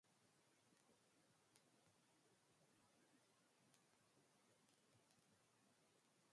City of Caterpillar shared band members with Pg.